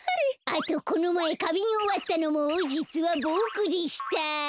あとこのまえかびんをわったのもじつはボクでした。